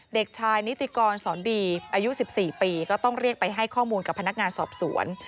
เด็กชายนิติกรสอนดีอายุ๑๔ปีก็ต้องเรียกไปให้ข้อมูลกับพนักงานสอบสวน